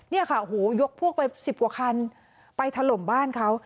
นี่ค่ะโอ้โหยกพวกไป๑๐กว่าคันไปถล่มบ้านเขา